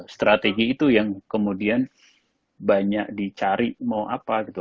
strategi itu yang kemudian banyak dicari mau apa gitu